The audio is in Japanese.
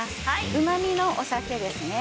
うまみのお酒ですね。